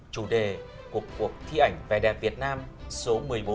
chủ đề của cuộc thi ảnh vẻ đẹp việt nam số một mươi bốn